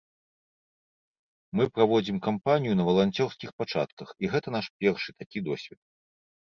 Мы праводзім кампанію на валанцёрскіх пачатках, і гэта наш першы такі досвед.